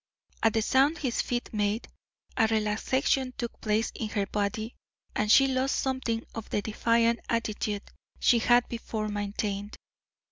At the sound his feet made, a relaxation took place in her body and she lost something of the defiant attitude she had before maintained.